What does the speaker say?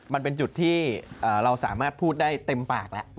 มันเป็นจุดที่เราสามารถพูดได้เต็มปากแล้ว